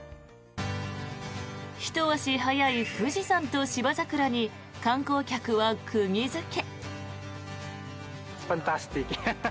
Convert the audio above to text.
ひと足早い富士山とシバザクラに観光客は釘付け。